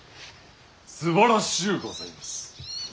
すばらしゅうございます。